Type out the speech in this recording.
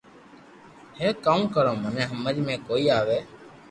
ھي ڪاوُ ڪرو مني ھمج ۾ ڪوئي آوي